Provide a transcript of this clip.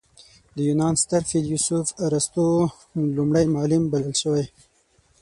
د یونان ستر فیلسوف ارسطو لومړی معلم بلل شوی.